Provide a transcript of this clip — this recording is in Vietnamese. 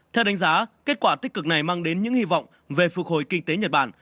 theo đánh giá kết quả tích cực này mang đến những hy vọng về phục hồi kinh tế nhật bản